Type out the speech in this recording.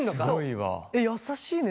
優しいね。